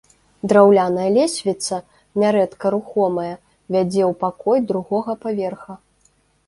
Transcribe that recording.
Драўляная лесвіца, нярэдка рухомая, вядзе ў пакоі другога паверха.